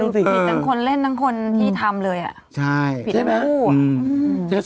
คือผิดทั้งคนเล่นทั้งคนที่ทำเลยอ่ะใช่ใช่ไหมอืมอืม